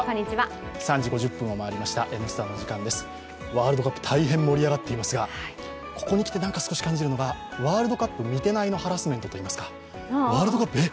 ワールドカップ、大変盛り上がっていますが、ここにきてなんか少し感じるのがワールドカップ見てないのハラスメントといいますかワールドカップ、え！